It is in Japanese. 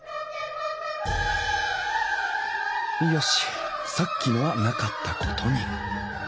よしさっきのはなかったことに。